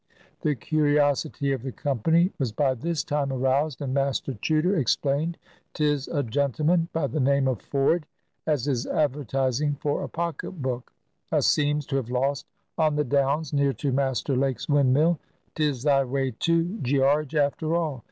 The curiosity of the company was by this time aroused, and Master Chuter explained: "'Tis a gentleman by the name of Ford as is advertising for a pocket book, a seems to have lost on the downs, near to Master Lake's windmill. 'Tis thy way, too, Gearge, after all.